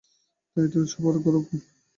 সেই তো আমাদের সভার গৌরব!